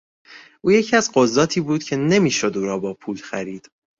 او یکی از قضاتی بود که نمیشد او را با پول خرید.